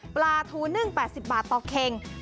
ปลาทูนึ่ง๘๐บาทต่อกิโลกรัม